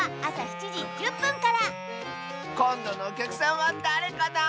こんどのおきゃくさんはだれかな？